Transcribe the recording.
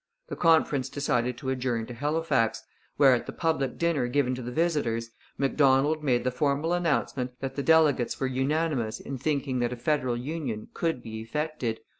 The conference decided to adjourn to Halifax, where, at the public dinner given to the visitors, Macdonald made the formal announcement that the delegates were unanimous in thinking that a federal union could be effected.